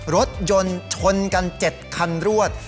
รถยนต์ชนกัน๗คันรวด